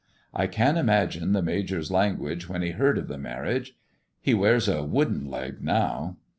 I can imagine the Major's language when he heard of the marriage. He wears a wooden leg now.